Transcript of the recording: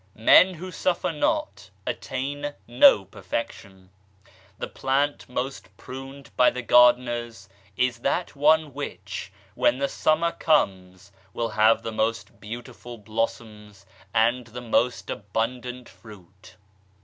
Men who suffer not, attain no perfection. The plant most pruned by the gardeners is that one which, when the summer comes, will have the most beautiful blossoms and the most abundant fruit.